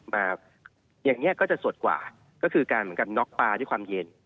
มาอย่างนี้ก็จะสดกว่าก็คือการเหมือนกับน็อกปลาด้วยความเย็น